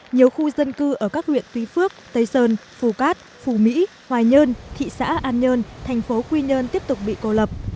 nhiều khu dân cư ở các huyện tuy phước tây sơn phù cát phù mỹ hoài nhơn thị xã an nhơn thành phố quy nhơn tiếp tục bị cô lập